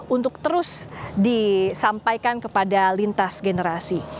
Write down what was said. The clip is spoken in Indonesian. untuk terus disampaikan kepada lintas generasi